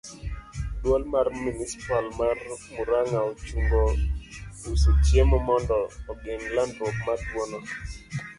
Duol mar Munispal mar Muranga ochungo uso chiemo mondo ogeng' landruok mar tuo no.